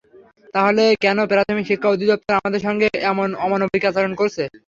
তাহলে কেন প্রাথমিক শিক্ষা অধিদপ্তর আমাদের সঙ্গে এমন অমানবিক আচরণ করছে।